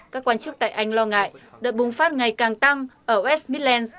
các quan chức tại anh lo ngại đợt bùng phát ngày càng tăng ở west midlands